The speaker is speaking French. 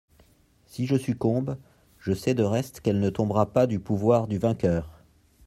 Si je succombe, je sais de reste qu'elle ne tombera pas du pouvoir du vainqueur.